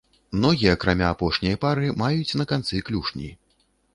Ногі, акрамя апошняй пары, маюць на канцы клюшні.